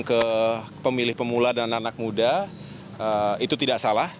ke pemilih pemula dan anak muda itu tidak salah